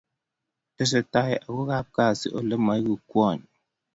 Tesetai ago kapkazi Ole moeku kwony